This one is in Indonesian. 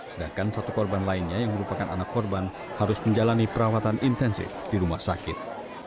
sedangkan satu korban lainnya yang merupakan anak korban harus menjalani perawatan intensif di rumah sakit